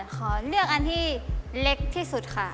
ขอเลือกอันที่เล็กที่สุดค่ะ